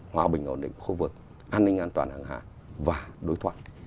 hòa bình ổn định của khu vực an ninh an toàn hàng hạ và đối thoại